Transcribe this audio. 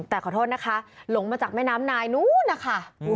แต่ขอโทษนะคะหลงมาจากแม่น้ำนายนู้นนะคะ